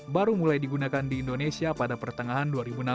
baru mulai digunakan di indonesia pada pertengahan dua ribu enam belas